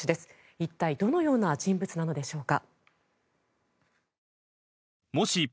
一体どのような人物なのでしょうか。